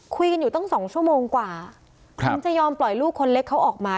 คุยกันอยู่ตั้ง๒ชั่วโมงกว่าถึงจะยอมปล่อยลูกคนเล็กเขาออกมา